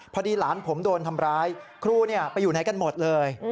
พอดีหลานผมโดนทำร้ายครูไปอยู่ไหนกันหมดเลย